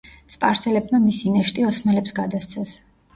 სპარსელებმა მისი ნეშტი ოსმალებს გადასცეს.